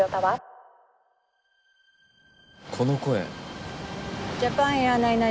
この声。